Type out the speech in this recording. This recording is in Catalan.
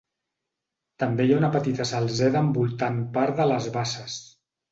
També hi ha una petita salzeda envoltant part de les basses.